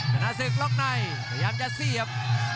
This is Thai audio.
ชนะศึกรบในพยายามจะเซียบ